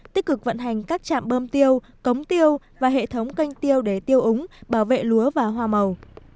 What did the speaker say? tích cực vận hành các trạm bơm tiêu cống tiêu và hệ thống canh tiêu để tiêu úng bảo vệ lúa và hoa màu